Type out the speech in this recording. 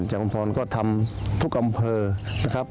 บริหารส่วนจังหวัดชุมพรก็ทำทุกอำเภอนะครับ